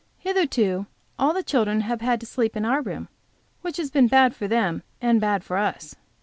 Hitherto all the children have had to sleep in our room which has been bad for them and bad for us.